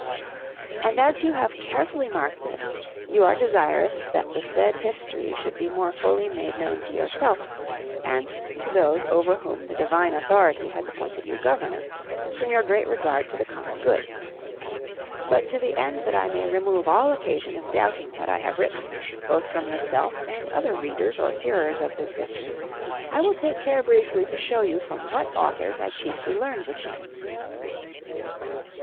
And as you have carefully marked this, you are desirous that the said history should be more fully made known to yourself, and to those over whom the Divine Authority has appointed you governor, from your great regard to the common good. But to the end that I may remove all occasion of doubting what I have written, both from yourself and other readers or hearers of this history, I will take care briefly to show you from what authors I chiefly learned the same.